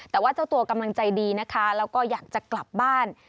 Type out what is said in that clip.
แต่ว่าเจ้าตัวกำลังใจดีนะคะแล้วก็อยากจะกลับบ้าน